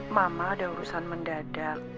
mama ada urusan mendadak